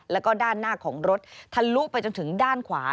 แล้วก็ด้านหน้าของรถทะลุไปจนถึงด้านขวา